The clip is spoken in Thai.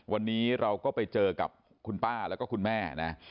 วันนี้เราก็ไปเจอกับคุณป้าแล้วก็คุณแม่นะ